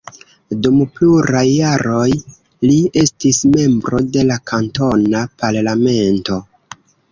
Dum pluraj jaroj li estis membro de la kantona parlamento.